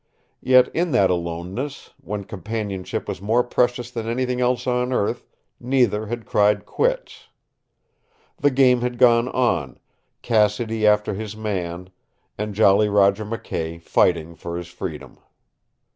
Yet in that aloneness, when companionship was more precious than anything else on earth, neither had cried quits. The game had gone on, Cassidy after his man and Jolly Roger McKay fighting for his freedom.